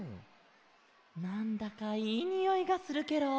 なんだかいいにおいがするケロ。